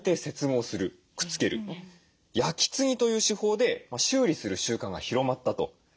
「焼き継ぎ」という手法で修理する習慣が広まったと。